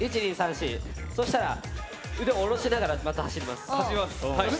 そしたら、腕を下ろしながらまた走ります。